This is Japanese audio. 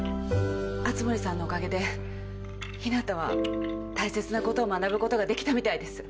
熱護さんのおかげで陽向は大切なことを学ぶことができたみたいです。